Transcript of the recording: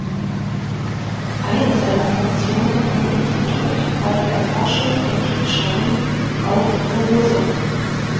Eine seiner Funktionen am Institut war die Erforschung von Giftschlangen auf Formosa.